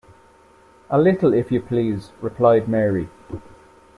‘A little, if you please,’ replied Mary.